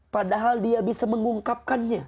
padahal dia bisa mengungkapkannya